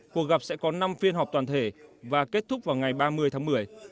cuộc gặp sẽ có năm phiên họp toàn thể và kết thúc vào ngày ba mươi tháng một mươi